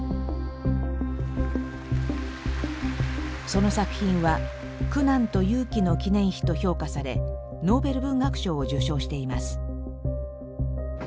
その作品は「苦難と勇気の記念碑」と評価されノーベル文学賞を受賞しています。